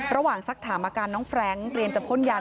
ระหว่างสักถามอาการน้องแฟรงเรียนจับพ่นยาน